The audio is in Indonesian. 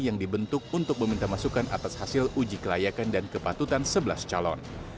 yang dibentuk untuk meminta masukan atas hasil uji kelayakan dan kepatutan sebelas calon